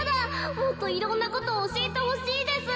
もっといろんなことおしえてほしいです。